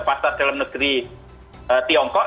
pasar dalam negeri tiongkok